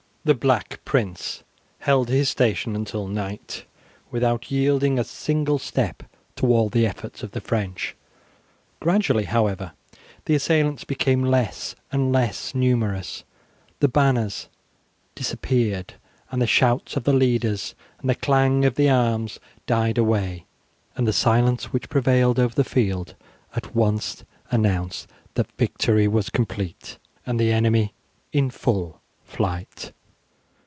The Black Prince held his station until night without yielding a single step to all the efforts of the French. Gradually, however, the assailants became less and less numerous, the banners disappeared, and the shouts of the leaders and the clang of arms died away, and the silence which prevailed over the field at once announced that the victory was complete and the enemy in full flight.